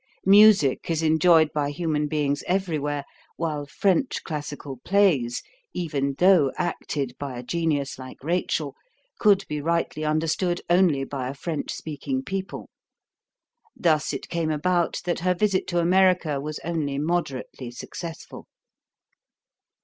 Music is enjoyed by human beings everywhere, while French classical plays, even though acted by a genius like Rachel, could be rightly understood only by a French speaking people. Thus it came about that her visit to America was only moderately successful.